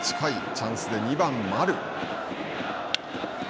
チャンスで２番丸。